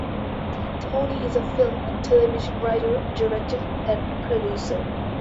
Tony is a film and television writer, director and producer.